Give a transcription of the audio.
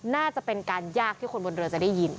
น่าจะเป็นการยากที่คนบนเรือจะได้ยิน